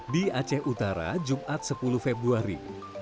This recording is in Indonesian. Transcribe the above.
di aceh utara jumat sepuluh februari